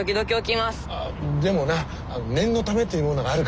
あでもな念のためというものがあるからな。